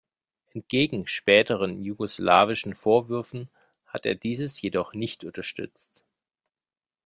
Entgegen späteren jugoslawischen Vorwürfen hat er dieses jedoch nicht unterstützt.